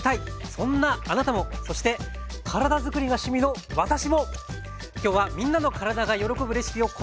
そんなあなたもそして体づくりが趣味の私も今日はみんなの体がよろこぶレシピをこの方に教わります。